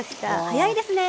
早いですね！